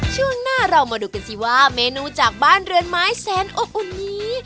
ช่วงหน้าเรามาดูกันสิว่าเมนูจากบ้านเรือนไม้แสนอบนี้